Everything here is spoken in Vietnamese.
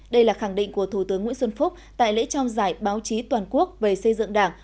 đây là khẳng định của thủ tướng nguyễn xuân phúc tại lễ trao giải báo chí toàn quốc về xây dựng đảng